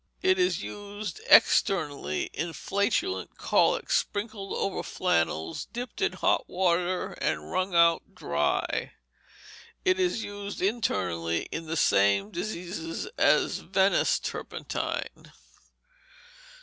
It is used externally in flatulent colic, sprinkled over flannels dipped in hot water and wrung out dry. It is used internally in the same diseases as Venice turpentine.